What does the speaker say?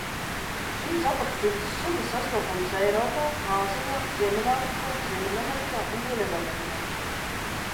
Šīs apakšdzimtas sugas sastopamas Eiropā, Āzijā, Ziemeļāfrikā, Ziemeļamerikā un Dienvidamerikā.